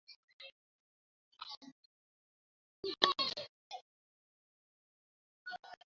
এর মধ্যে ভাববার অত কী কথা আছে?